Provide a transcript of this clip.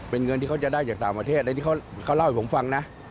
เป็นเงินที่เขาจะได้จากต่างประเทศอะไรที่เขาเล่าให้ผมฟังนะ